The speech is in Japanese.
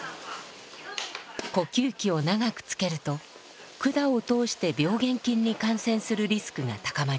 呼吸器を長くつけると管を通して病原菌に感染するリスクが高まります。